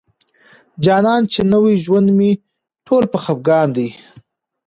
جانان چې نوي ژوند مي ټوله په خفګان دی